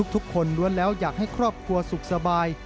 ทุกคนล้วนแล้วอยากให้ครอบครัวสุขสบาย